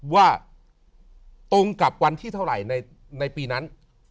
ว่าตรงกับวันที่เท่าไหร่ในปีนั้น